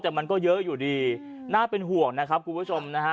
แต่มันก็เยอะอยู่ดีน่าเป็นห่วงนะครับคุณผู้ชมนะฮะ